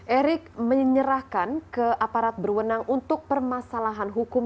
erick menyerahkan ke aparat berwenang untuk permasalahan hukum